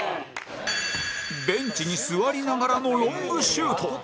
ベンチに座りながらのロングシュート！